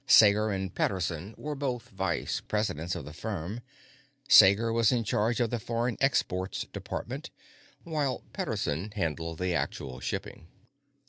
Sager and Pederson were both vice presidents of the firm; Sager was in charge of the Foreign Exports department, while Pederson handled the actual shipping.